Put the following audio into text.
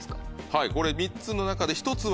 はいこれ３つの中で。